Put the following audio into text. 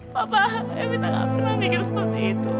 papa evita gak pernah mikir seperti itu